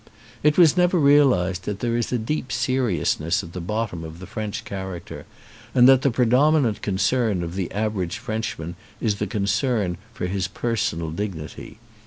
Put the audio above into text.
It was never realised that there is a deep seriousness at the bottom of the French character and that the predominant concern of the average Frenchman is the concern for his personal dignity.